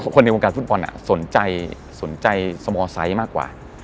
คนในวงการฟุตบอลสนใจสมอไซค์มากกว่า